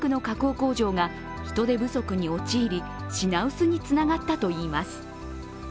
工場が人手不足に陥り、品薄につながったといいます。